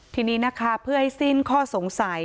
ทีนี้นะคะเพื่อให้สิ้นข้อสงสัย